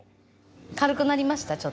軽くなりました？